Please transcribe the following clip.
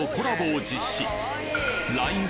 ＬＩＮＥ